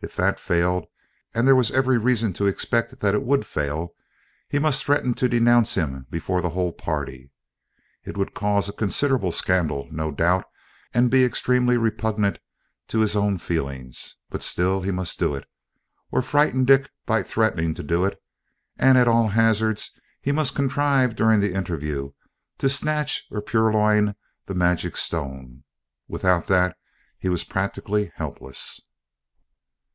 If that failed, and there was every reason to expect that it would fail, he must threaten to denounce him before the whole party. It would cause a considerable scandal no doubt, and be extremely repugnant to his own feelings, but still he must do it, or frighten Dick by threatening to do it, and at all hazards he must contrive during the interview to snatch or purloin the magic stone; without that he was practically helpless.